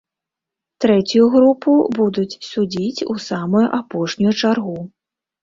Трэцюю групу будуць судзіць у самую апошнюю чаргу.